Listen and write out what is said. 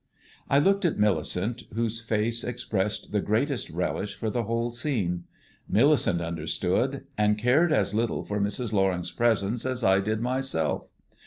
I looked at Millicent, whose face expressed the greatest relish for the whole scene. Millicent understood, and cared as little for Mrs. Loring's presence as I did myself.